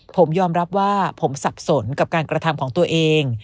ผมยอมรับว่าผมสับสนกับการกระทำของตัวเอง